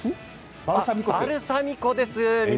バルサミコです。